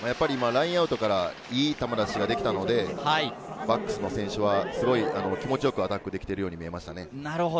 ラインアウトからいい球出しができたので、バックスの選手は気持ちよくアタックできているように見えましたね。